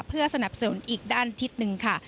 เพื่อสนับสนุนอีกด้านทิศหนึ่งค่ะ